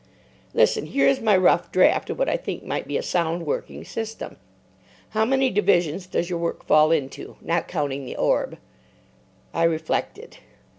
"Listen. Here is my rough draft of what I think might be a sound, working system. How many divisions does your work fall into, not counting the Orb?" I reflected.